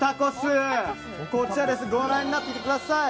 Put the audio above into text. こちらご覧になってください。